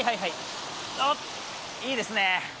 おっ、いいですね。